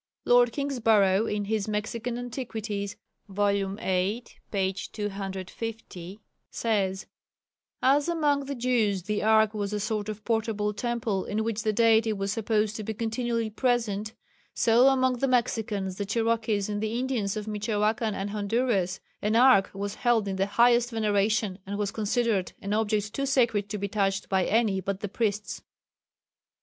Lord Kingsborough in his Mexican Antiquities (vol. viii. p. 250) says: "As among the Jews the ark was a sort of portable temple in which the deity was supposed to be continually present, so among the Mexicans, the Cherokees and the Indians of Michoacan and Honduras, an ark was held in the highest veneration and was considered an object too sacred to be touched by any but the priests."